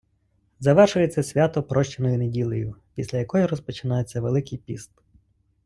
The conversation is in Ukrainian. Завершується свято Прощеною неділею, після якої розпочинається Великий піст.